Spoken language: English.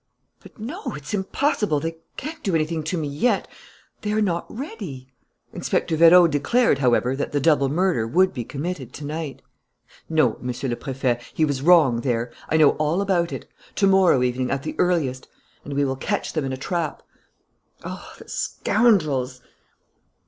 But no, it's impossible, they can't do anything to me yet.... They are not ready " "Inspector Vérot declared, however, that the double murder would be committed to night." "No, Monsieur le Préfet, he was wrong there.... I know all about it.... To morrow evening at the earliest ... and we will catch them in a trap.... Oh, the scoundrels!"